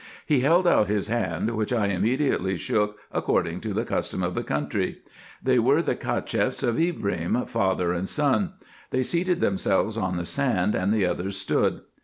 He held out his hand, which I immediately shook according to the custom of the country. They were the Cacheffs of Ibrim, father and son. They seated themselves on the sand, and the others stood.